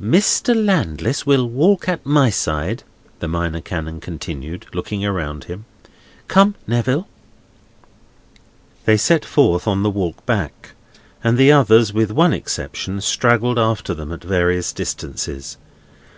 "Mr. Landless will walk at my side," the Minor Canon continued, looking around him. "Come, Neville!" They set forth on the walk back; and the others, with one exception, straggled after them at various distances.